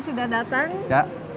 sudah datang ya